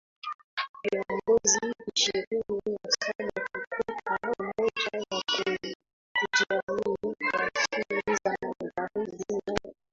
viongozi ishirini na saba kukota umoja wakujihami wa nchi za magharibi nato